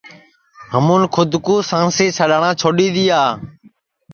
ہمون کھود کُو سانسی سڈؔاٹؔا چھوڈؔ دؔیا